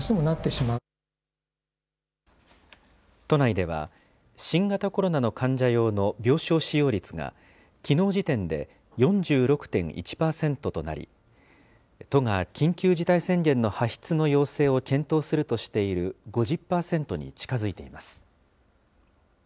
都内では、新型コロナの患者用の病床使用率が、きのう時点で４６．１％となり、都が緊急事態宣言の発出の要請を検討するとしている５０％に近づいています。